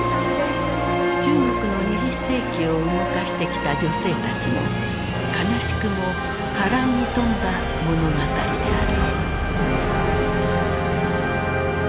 中国の２０世紀を動かしてきた女性たちの悲しくも波乱に富んだ物語である。